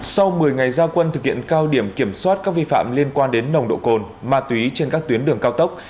sau một mươi ngày gia quân thực hiện cao điểm kiểm soát các vi phạm liên quan đến nồng độ cồn ma túy trên các tuyến đường cao tốc